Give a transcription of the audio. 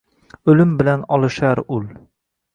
Oʼlim bilan olishar ul